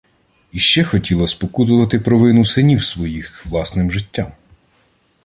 І ще хотіла спокутувати провину синів своїх власним життям.